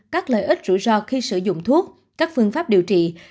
các lợi ích rủi ro khi sử dụng thuốc các phương pháp điều trị